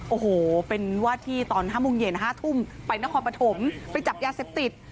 โอ้โหเป็นว่าที่ตอน๕โมงเย็น๕ทุ่มไปนครปฐมไปจับยาเสพติด